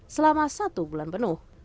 selama satu bulan penuh